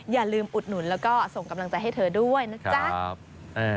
อย่าลืมอุดหนุนแล้วก็ส่งกำลังใจให้เธอด้วยนะจ๊ะ